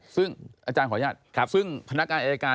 ซึ่งอาจารย์ขออนุญาตซึ่งพนักงานอายการ